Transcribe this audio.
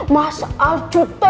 masal cuteknya bu